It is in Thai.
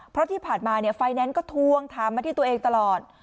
เพราะที่ผ่านมาไฟแนนซ์ก็ทวงถามมาที่ตัวเองตลอด